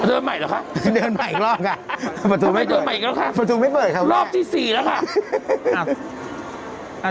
ประตูมันใหม่หรือครับประตูมันใหม่อีกแล้วครับประตูไม่เปิดรอบที่๔แล้วครับ